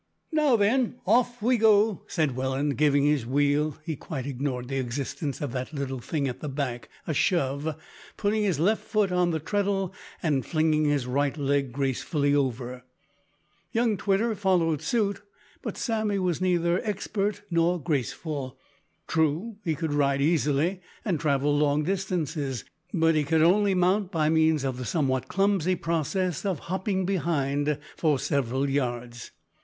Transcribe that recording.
"Now then, off we go," said Welland, giving his wheel he quite ignored the existence of the little thing at the back a shove, putting his left foot on the treadle, and flinging his right leg gracefully over. Young Twitter followed suit, but Sammy was neither expert nor graceful. True, he could ride easily, and travel long distances, but he could only mount by means of the somewhat clumsy process of hopping behind for several yards.